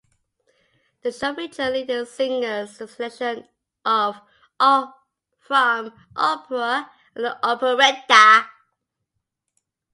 The show featured leading singers in selections from opera and operetta.